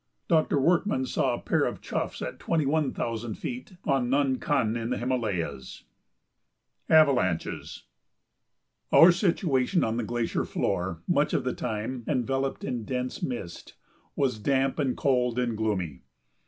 Doctor Workman saw a pair of choughs at twenty one thousand feet, on Nun Kun in the Himalayas. [Sidenote: Avalanches] Our situation on the glacier floor, much of the time enveloped in dense mist, was damp and cold and gloomy.